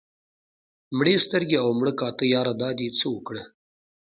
مړې سترګې او مړه کاته ياره دا دې څه اوکړه